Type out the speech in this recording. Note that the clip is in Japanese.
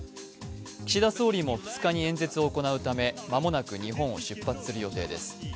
岸田総理も２日に演説を行うため間もなく日本を出発する予定です。